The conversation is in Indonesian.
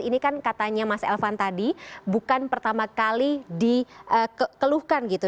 ini kan katanya mas elvan tadi bukan pertama kali dikeluhkan gitu